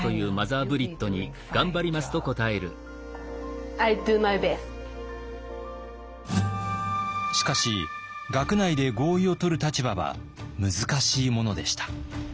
Ｓａｄａｋｏ．しかし学内で合意をとる立場は難しいものでした。